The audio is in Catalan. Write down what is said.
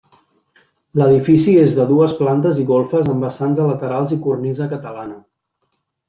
L’edifici és de dues plantes i golfes amb vessants a laterals i cornisa catalana.